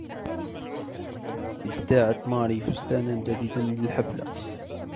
ابتاعت ماري فستانًا جديدًا للحفلة.